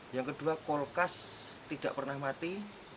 yang kedua kulkas tidak pernah mati